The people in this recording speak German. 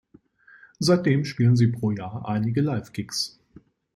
Seitdem spielen Sie pro Jahr einige Live-Gigs.